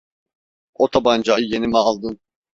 O tabancayı yeni mi aldın?